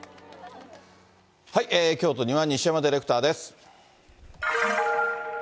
京都には西山ディレクターです。